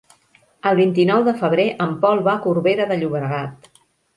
El vint-i-nou de febrer en Pol va a Corbera de Llobregat.